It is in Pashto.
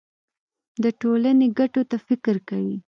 د ټولنې ګټو ته فکر کوي.